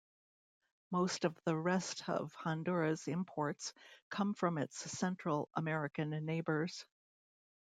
Most of the rest of Honduras's imports come from its Central American neighbors.